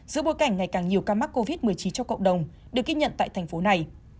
giữa bối cảnh ngày càng nhiều ca mắc covid một mươi chín trong cộng đồng được ghi nhận tại thành phố này